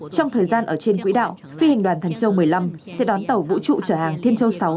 trong thời gian ở trên quỹ đạo phi hành đoàn thần châu một mươi năm sẽ đón tàu vũ trụ trở hàng thiên châu sáu